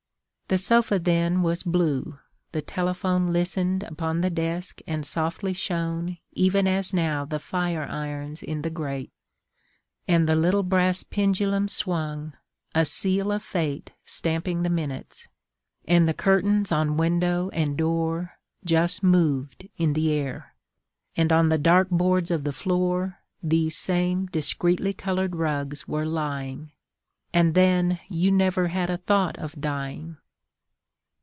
The sofa then was blue, the telephone Listened upon the desk and softly shone Even as now the fire irons in the grate, And the little brass pendulum swung, a seal of fate Stamping the minutes; and the curtains on window and door Just moved in the air; and on the dark boards of the floor These same discreetly coloured rugs were lying ... And then you never had a thought of dying.